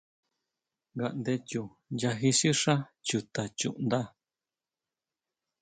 Ngandé chu nyají sixá chuta nchujun.